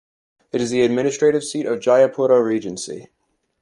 It is the administrative seat of Jayapura Regency.